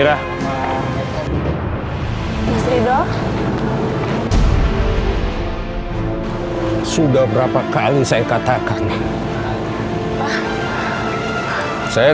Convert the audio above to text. saya sudah percaya